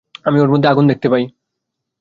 আমি ওর মধ্যে আগুন দেখতে পাই।